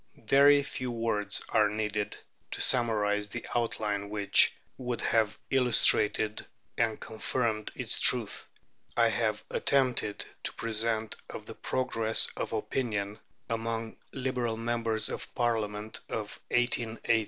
Very few words are needed to summarize the outline which, omitting many details which would have illustrated and confirmed its truth, I have attempted to present of the progress of opinion among Liberal members of the Parliament of 1880. 1.